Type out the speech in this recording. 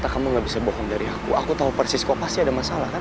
kamu gak bisa bohong dari aku aku tahu persis kok pasti ada masalah kan